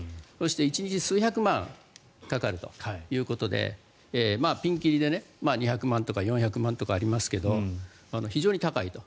１日数百万かかるということでピンキリで２００万とか４００万とかありますが非常に高いと。